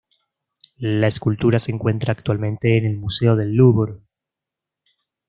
La escultura se encuentra actualmente en el Museo del Louvre.